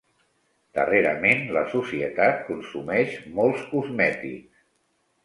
Darrerament, la societat consumeix molts cosmètics.